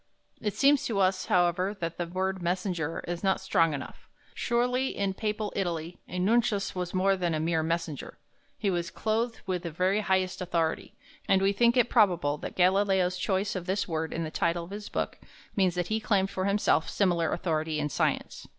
It seems to us, however, that the word "messenger" is not strong enough; surely in Papal Italy a nuncius was more than a mere messenger. He was clothed with the very highest authority, and we think it probable that Galileo's choice of this word in the title of his book means that he claimed for himself similar authority in science.